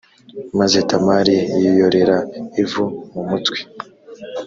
maze tamari yiyorera ivu mu mutwe